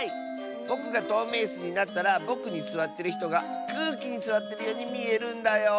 ぼくがとうめいイスになったらぼくにすわってるひとがくうきにすわってるようにみえるんだよ！